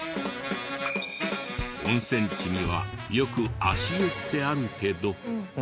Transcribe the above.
温泉地にはよく足湯ってあるけど。